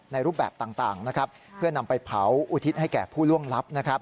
ในรูปแบบต่างเพื่อนำไปเผาอุทิศให้แก่ผู้ร่วงรับ